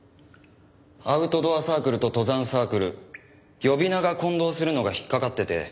アウトドアサークルと登山サークル呼び名が混同するのが引っ掛かってて。